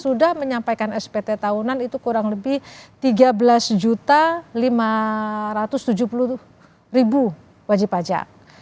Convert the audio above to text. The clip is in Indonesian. sudah menyampaikan spt tahunan itu kurang lebih tiga belas lima ratus tujuh puluh wajib pajak